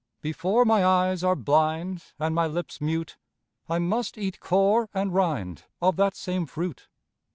Before my eyes are blind And my lips mute, I must eat core and rind Of that same fruit.